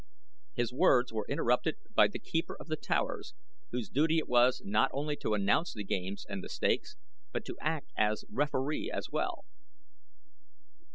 His words were interrupted by the keeper of The Towers whose duty it was not only to announce the games and the stakes, but to act as referee as well.